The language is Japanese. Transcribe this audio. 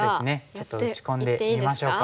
ちょっと打ち込んでみましょうか。